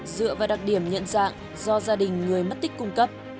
dựa vào đặc điểm nhận dạng do gia đình người mất tích cung cấp